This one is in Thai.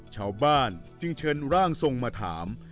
ชาวบ้านจึงเชิญร่างทรงมาถาม